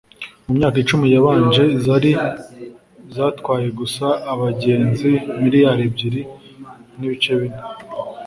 mu myaka icumi yabanje zari zatwaye gusa abagenzi miliyari ebyiri nibice bine